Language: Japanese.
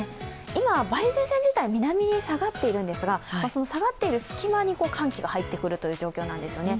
今、梅雨前線自体南に下がっているんですがその下がっている隙間に寒気が入ってくるという状況です。